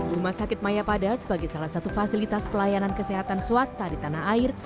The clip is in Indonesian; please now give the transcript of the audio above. rumah sakit mayapada sebagai salah satu fasilitas pelayanan kesehatan swasta di tanah air